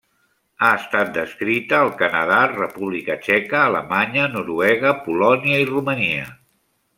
Ha estat descrita al Canadà, República Txeca, Alemanya, Noruega, Polònia i Romania.